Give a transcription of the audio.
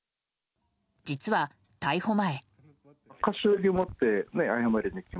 実は、逮捕前。